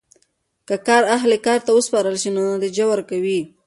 که کار اهل کار ته وسپارل سي نو نتیجه ورکوي.